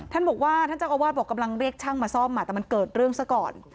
ท่านบอกว่าท่านเจ้าอาวาสบอกกำลังเรียกช่างมาซ่อมแต่มันเกิดเรื่องซะก่อน